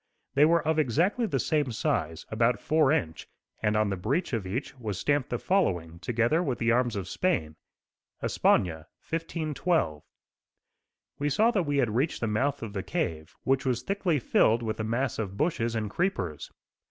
They were of exactly the same size, about four inch, and on the breech of each was stamped the following, together with the arms of Spain: "Espana: 1512." We saw that we had reached the mouth of the cave, which was thickly filled with a mass of bushes and creepers.